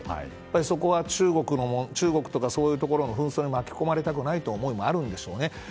そこは中国とかそういうところの紛争に巻き込まれたくないという思いもあるでしょう。